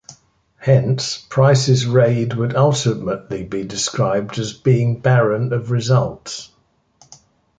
Hence, Price's raid would ultimately be described as being "barren of results".